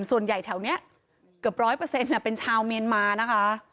ส่วนใหญ่แถวเนี้ยเกือบร้อยเปอร์เซ็นต์อ่ะเป็นชาวเมียนมานะคะ